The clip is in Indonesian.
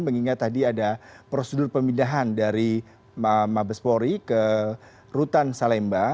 mengingat tadi ada prosedur pemindahan dari mabespori ke rutan salemba